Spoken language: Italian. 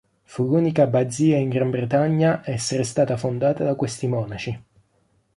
Fu l'unica abbazia in Gran Bretagna ad essere stata fondata da questi monaci.